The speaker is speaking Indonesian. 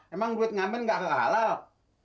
emang duit namen gak kehalal